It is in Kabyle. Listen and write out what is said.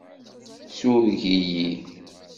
Sureg-iyi.